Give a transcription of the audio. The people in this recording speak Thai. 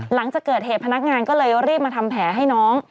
หลังจากเกิดเหตุพนักงานก็เลยรีบมาทำแผลให้น้อง